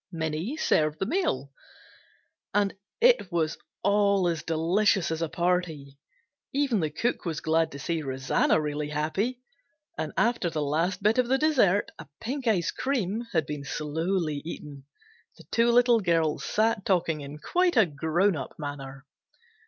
Minnie served the meal and it was all as delicious as a party. Even the cook was glad to see Rosanna really happy. And after the last bit of the dessert, a pink ice cream, had been slowly eaten, the two little girls sat talking in quite a grown up manner.